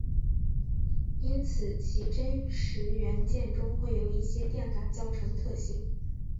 因此其真实元件中会有一些电感造成的特性。